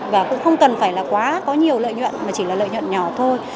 và cũng không cần phải là quá có nhiều lợi nhuận mà chỉ là lợi nhuận nhỏ thôi